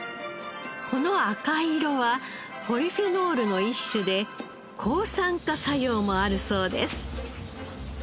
この赤い色はポリフェノールの一種で抗酸化作用もあるそうです。